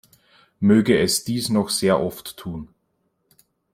Möge es dies noch sehr oft tun!